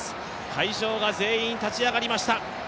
会場が全員立ち上がりました。